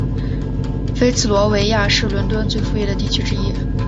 菲茨罗维亚是伦敦最富裕的地区之一。